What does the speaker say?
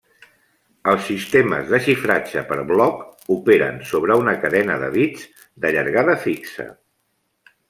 Els sistemes de xifratge per bloc operen sobre una cadena de bits de llargada fixa.